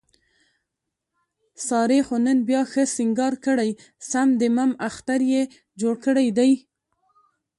سارې خو نن بیا ښه سینګار کړی، سم دمم اختر یې جوړ کړی دی.